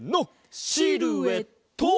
シルエット！